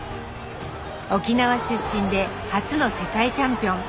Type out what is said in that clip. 沖縄出身で初の世界チャンピオン。